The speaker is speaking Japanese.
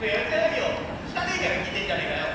「知らねえから聞いてんじゃねえかよ。